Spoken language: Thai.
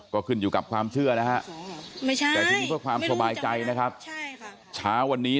ก็ขึ้นอยู่กับความเชื่อนะครับไม่ใช่ความสบายใจนะครับช้าวันนี้